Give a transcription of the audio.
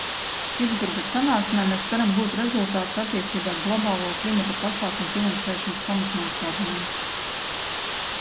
Pitsburgas sanāksmē mēs ceram gūt rezultātus attiecībā uz globālo klimata pasākumu finansēšanas pamatnostādnēm.